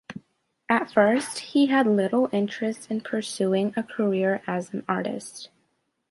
At first, he had little interest in pursuing a career as an artist.